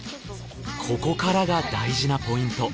ここからが大事なポイント